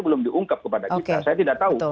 belum diungkap kepada kita saya tidak tahu